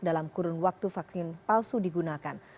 dalam kurun waktu vaksin palsu digunakan